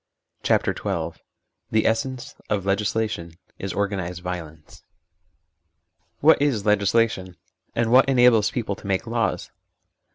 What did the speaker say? CHAPTEE XII THE ESSENCE OF LEGISLATION IS OKGANISED VIOLENCE WHAT is legislation ? And what enables people to make laws